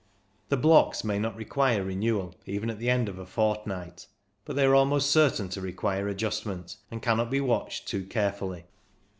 The blocks may not require renewal even at the end of a fortnight, but they are almost certain to require adjustment, and cannot be watched too carefully.